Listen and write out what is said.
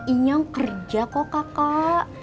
inyong kerja kok kakak